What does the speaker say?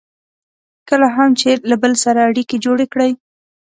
کله هم چې له بل سره اړیکې جوړې کړئ.